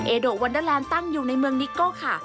โดวันเดอร์แลนด์ตั้งอยู่ในเมืองนิโก้ค่ะ